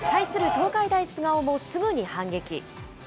東海大菅生もすぐに反撃。